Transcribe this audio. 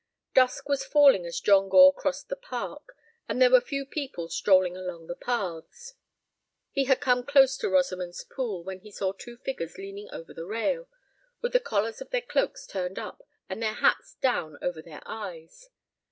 Dusk was falling as John Gore crossed the park, and there were few people strolling along the paths. He had come close to Rosamond's Pool when he saw two figures leaning over the rail, with the collars of their cloaks turned up and their hats down over their eyes.